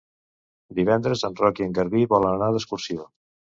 Divendres en Roc i en Garbí volen anar d'excursió.